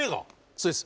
そうです。